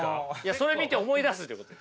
それ見て思い出すってことです。